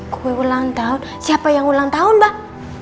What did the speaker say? kue ulang tahun siapa yang ulang tahun mbak